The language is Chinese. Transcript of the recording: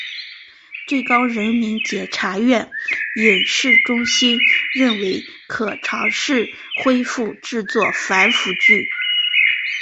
最高人民检察院影视中心认为可尝试恢复制作反腐剧。